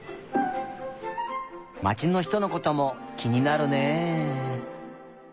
まちのひとのこともきになるねえ。